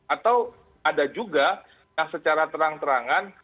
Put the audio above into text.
atau ada juga yang secara terang terangan